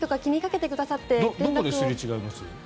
元気とかどこですれ違います？